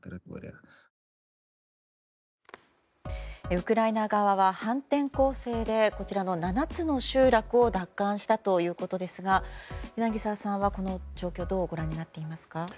ウクライナ側は反転攻勢でこちらの７つの集落を奪還したということですが柳澤さんは、この状況をどうご覧になっていますか？